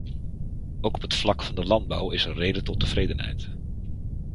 Ook op het vlak van de landbouw is er reden tot tevredenheid.